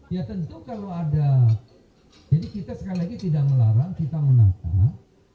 ya tentu kalau ada jadi kita sekali lagi tidak melarang kita menata